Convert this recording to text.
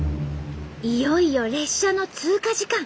いよいよ列車の通過時間。